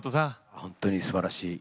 本当にすばらしい。